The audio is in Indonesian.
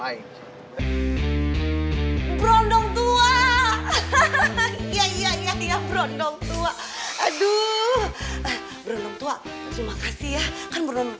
ayo bro dong tua hahaha ya ya ya ya bro dong tua aduh beruntung tua terima kasih ya kan